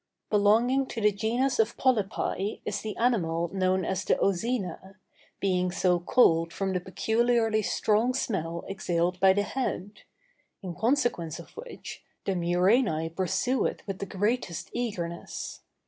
Belonging to the genus of polypi is the animal known as the ozæna, being so called from the peculiarly strong smell exhaled by the head; in consequence of which, the murænæ pursue it with the greatest eagerness.